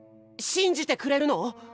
信じてくれるの？